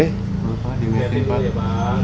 dilihatin dulu ya pak